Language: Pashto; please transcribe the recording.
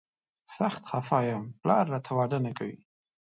سخت خفه یم، پلار راته واده نه کوي.